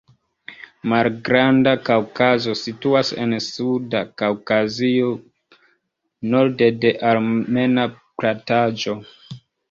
Malgranda Kaŭkazo situas en Suda Kaŭkazio, norde de Armena plataĵo.